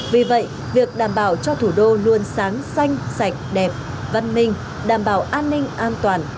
vì vậy việc đảm bảo cho thủ đô luôn sáng xanh sạch đẹp văn minh đảm bảo an ninh an toàn